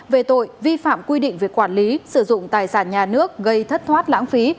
về tội vi phạm quy định về quản lý sử dụng tài sản nhà nước gây thất thoát lãng phí